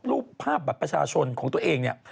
รูปภาพบัตรประชาชนของตัวเองเนี่ย